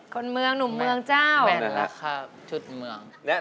คุณเมืองหนุ่มเมืองเจ้า